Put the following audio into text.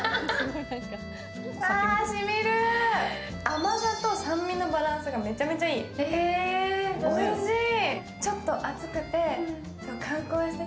甘さと酸味のバランスがめちゃめちゃいい、おいしい！